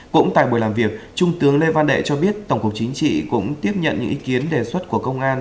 cũng tại buổi làm việc trung tướng lê văn đệ cho biết tổng cục chính trị cũng tiếp nhận những ý kiến đề xuất của công an